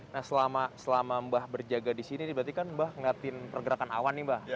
nah selama mbah berjaga di sini berarti kan mbah ngeliatin pergerakan awan nih mbak